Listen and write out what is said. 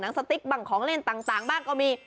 สติ๊กบ้างของเล่นต่างบ้างก็มี